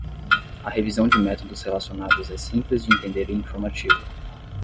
A revisão de métodos relacionados é simples de entender e informativa.